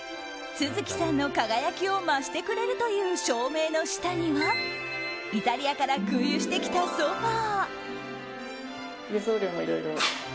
續さんの輝きを増してくれるという照明の下にはイタリアから空輸してきたソファ。